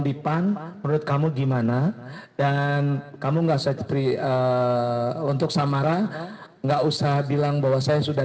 dipan menurut kamu gimana dan kamu nggak usah cuti untuk samara enggak usah bilang bahwa saya sudah